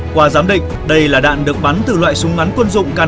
qua giám định đây là đạn được bắn từ loại súng bắn quân dụng k năm mươi bốn